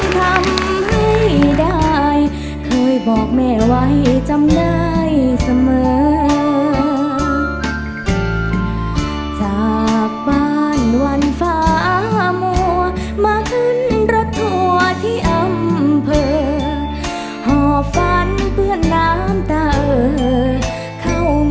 รู้ปัญหาที่สุดท้ายรู้ปัญหาที่สุดท้าย